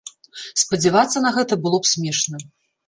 Спадзявацца на гэта было б смешна.